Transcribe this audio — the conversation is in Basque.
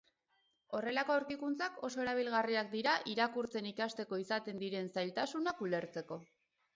Horrelako aurkikuntzak oso erabilgarriak dira irakurtzen ikasteko izaten diren zailtasunak ulertzeko.